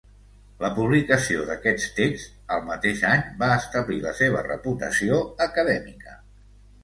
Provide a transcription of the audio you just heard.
La publicació d'aquests texts al mateix any va establir la seva reputació acadèmica.